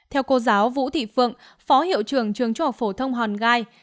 theo cô giáo vũ thị phượng phó hiệu trưởng trường trung học phổ thông hòn gai